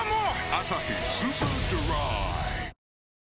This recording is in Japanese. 「アサヒスーパードライ」